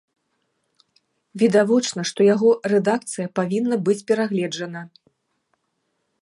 Відавочна, што яго рэдакцыя павінна быць перагледжана.